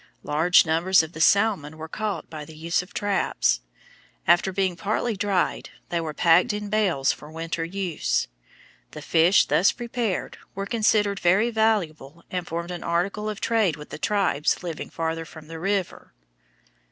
Large numbers of the salmon were caught by the use of traps. After being partly dried they were packed in bales for winter use. The fish thus prepared were considered very valuable and formed an article of trade with the tribes living farther from the river.